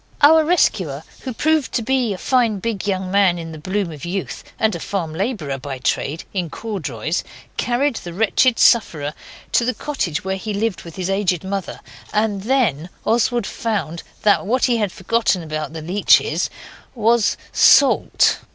Our rescuer, who proved to be a fine big young man in the bloom of youth, and a farm labourer by trade, in corduroys, carried the wretched sufferer to the cottage where he lived with his aged mother; and then Oswald found that what he had forgotten about the leeches was SALT.